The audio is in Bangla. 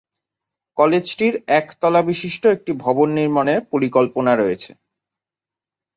কলেজটির এক-তলা বিশিষ্ট একটি ভবন নির্মাণের পরিকল্পনা রয়েছে।